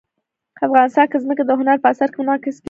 افغانستان کې ځمکه د هنر په اثار کې منعکس کېږي.